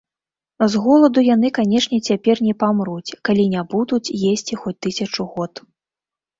З голаду яны, канешне, цяпер не памруць, калі не будуць есці хоць тысячу год.